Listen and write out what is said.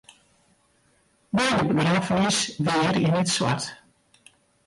By de begraffenis wie er yn it swart.